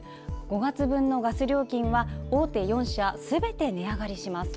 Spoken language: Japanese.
５月分のガス料金は大手４社すべて値上がりします。